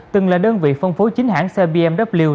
từng là đơn vị phân phối chính hãng xe bmw